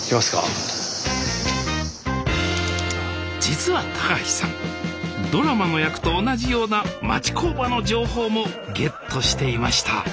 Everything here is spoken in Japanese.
実は高橋さんドラマの役と同じような町工場の情報もゲットしていました